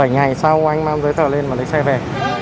bảy ngày sau anh mang giới thờ lên và lấy xe về